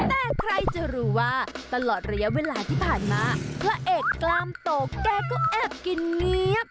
แต่ใครจะรู้ว่าตลอดระยะเวลาที่ผ่านมาพระเอกกล้ามโตแกก็แอบกินเงียบ